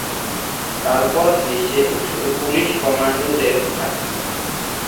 তারপর হেসে ওঠে পুলিশ কমান্ডোদের হাতে।